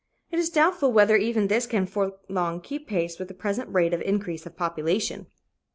It is doubtful whether even this can for long keep pace with the present rate of increase of population."